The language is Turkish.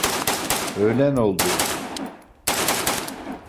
Öğlen oldu.